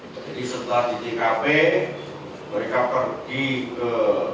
jadi setelah di tkp mereka pergi ke